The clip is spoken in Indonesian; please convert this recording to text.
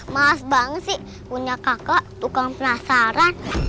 mas bang sih punya kakak tukang penasaran